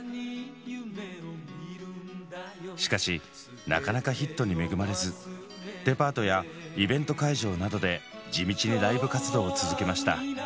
しかしなかなかヒットに恵まれずデパートやイベント会場などで地道にライブ活動を続けました。